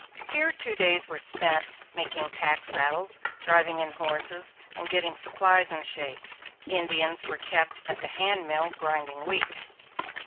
Here two days were spent making pack saddles, driving in horses, and getting supplies in shape. Indians were kept at the handmill grinding wheat.